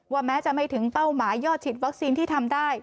แม้จะไม่ถึงเป้าหมายยอดฉีดวัคซีนที่ทำได้